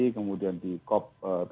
kemudian di cop dua puluh enam